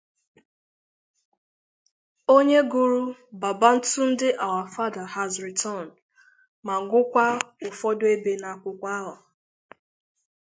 onye gụrụ "Babatunde our Father has Returned" ma gụkwa ụfọdụ ebe n'akwụkwọ ya